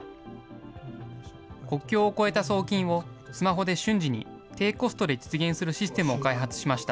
国境を越えた送金をスマホで瞬時に、低コストで実現するシステムを開発しました。